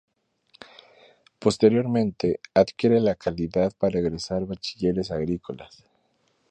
Posteriormente, adquiere la calidad para egresar bachilleres agrícolas.